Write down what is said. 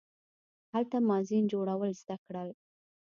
هلته ما زین جوړول زده کړل.